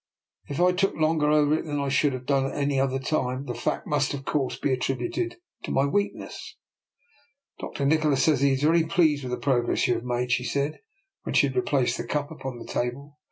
If I took longer over it than I should have done at any other time, the fact must, of course, be attributed to my weakness. " Dr. Nikola says he is very pleased with the progress you have made," she said, when she had replaced the cup upon the table.